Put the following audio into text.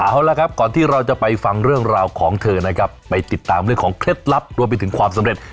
เอาละครับก่อนที่เราจะไปฟังเรื่องราวของเธอนะครับไปติดตามเรื่องของเคล็ดลับรวมไปถึงความสำเร็จ